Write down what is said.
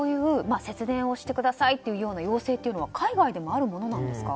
節電をしてくださいという要請は海外でもあるものですか？